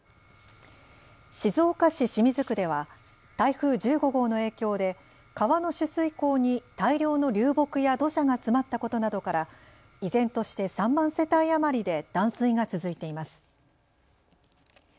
静岡市清水区では台風１５号の影響で川の取水口に大量の流木や土砂が詰まったことなどから依然として３万世帯余りで断水が続いています。